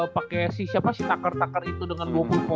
pake si siapa si tucker tucker itu dengan dua puluh point juga sih ya kan